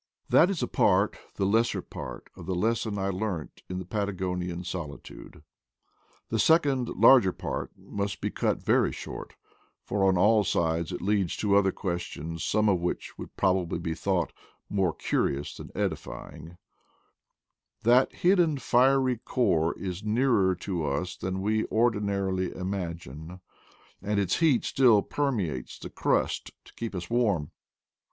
That is a part, the lesser part, of the lesson I learnt in the Patagonian solitude: the second larger part must be cut very short ; for on all sides it leads to other questions, some of which would probably be thought "more curious than edify ing/ ' That hidden fiery core is nearer to us than we ordinarily imagine, and its heat still permeates the crust to keep us warm.